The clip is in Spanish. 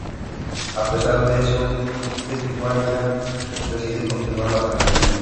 A pesar de eso, Hiawatha decidió continuar la asamblea.